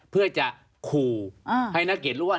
เพื่อจะขู่ให้นักเกียรติรู้ว่า